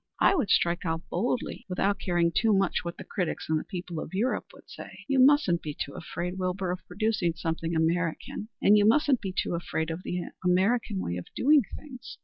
I would strike out boldly without caring too much what the critics and the people of Europe would say. You musn't be too afraid, Wilbur, of producing something American, and you mustn't be too afraid of the American ways of doing things.